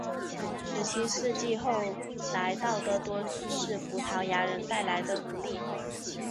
十七世纪后来到的多是葡萄牙人带来的奴隶。